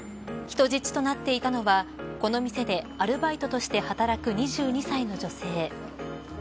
人質となっていたのは、この店でアルバイトとして働く２２歳の女性。